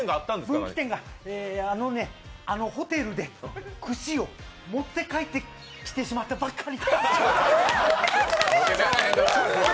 あのねあのホテルでくしを持って帰ってきてしまったばっかりに。